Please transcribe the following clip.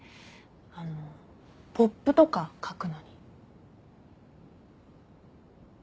あのポップとかかくのに。